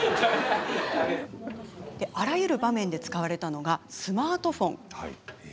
あらゆる場面で使われたのがスマートフォン。